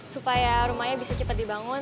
supaya rumahnya bisa cepat dibangun